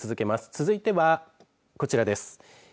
続いてはこちらです。